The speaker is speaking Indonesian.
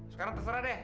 sekarang terserah deh